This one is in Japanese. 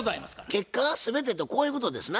結果が全てとこういうことですな？